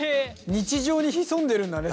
日常に潜んでるんだね